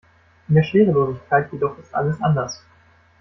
In der Schwerelosigkeit jedoch ist alles anders.